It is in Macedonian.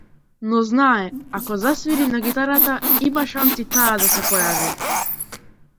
Но знае, ако засвири на гитарата, има шанси таа да се појави.